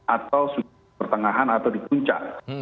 atau sudah di pertengahan atau di puncak